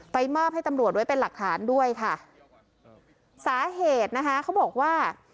มอบให้ตำรวจไว้เป็นหลักฐานด้วยค่ะสาเหตุนะคะเขาบอกว่า